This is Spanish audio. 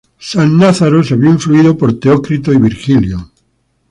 Sannazaro se vio influido por Teócrito y Virgilio.